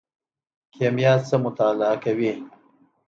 کیمیا څه مطالعه کوي؟